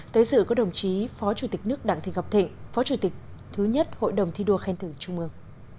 tới dự có đồng chí phó chủ tịch nước đảng thị ngọc thịnh phó chủ tịch thứ nhất hội đồng thi đua khen thử chung mương